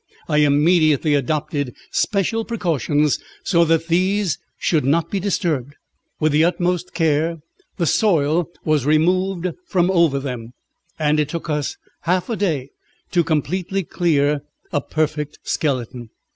I immediately adopted special precautions, so that these should not be disturbed. With the utmost care the soil was removed from over them, and it took us half a day to completely clear a perfect skeleton.